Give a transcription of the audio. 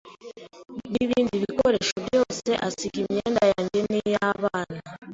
n’ibindi bikoresho byose asiga imyenda yanjye n’iy’abana